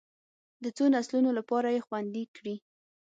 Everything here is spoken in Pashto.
د څو نسلونو لپاره یې خوندي کړي.